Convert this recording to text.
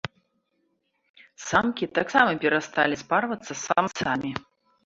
Самкі таксама перасталі спарвацца з самцамі.